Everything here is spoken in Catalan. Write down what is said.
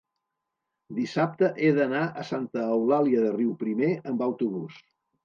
dissabte he d'anar a Santa Eulàlia de Riuprimer amb autobús.